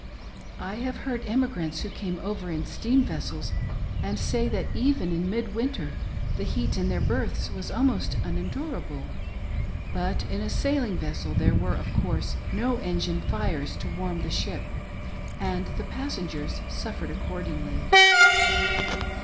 I have heard emigrants who came over in steam vessels say that even in mid winter the heat in their berths was almost unendurable ; but in a sailing vessel there were, of course, no engine fires to warm the ship, and the passengers suffered accordingly.